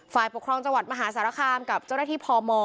ฝ่ายปกครองจังหวัดมหาสารคามกับเจ้าหน้าที่พม